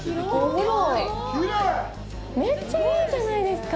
めっちゃいいじゃないですか！